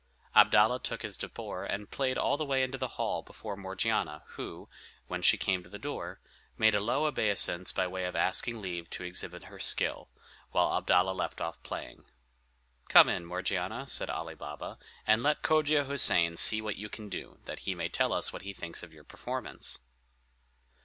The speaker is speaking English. Abdalla took his tabor and played all the way into the hall before Morgiana, who, when she came to the door, made a low obeisance by way of asking leave to exhibit her skill, while Abdalla left off playing. "Come in, Morgiana," said Ali Baba, "and let Cogia Houssain see what you can do, that he may tell us what he thinks of your performance."